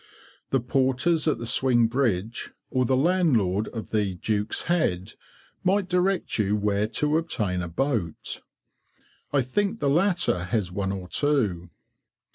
The porters at the swing bridge, or the landlord of the "Duke's Head," might direct you where to obtain a boat. I think the latter has one or two.